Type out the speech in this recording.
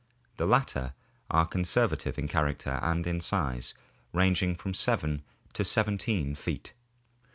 The latter are conservative in character and in size, ranging from 7 to 17 feet.